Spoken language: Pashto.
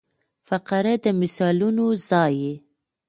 فقره د مثالونو ځای يي.